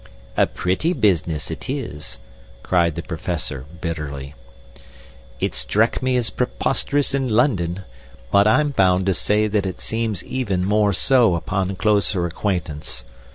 "A pretty business it is!" cried the Professor, bitterly. "It struck me as preposterous in London, but I'm bound to say that it seems even more so upon closer acquaintance.